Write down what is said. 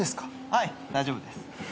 はい大丈夫です。